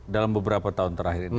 dalam beberapa tahun terakhir ini